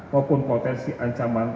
maupun potensi ancaman